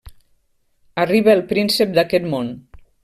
Arriba el príncep d'aquest món.